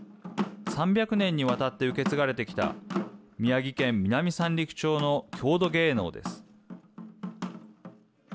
３００年にわたって受け継がれてきた宮城県南三陸町の郷土芸能です。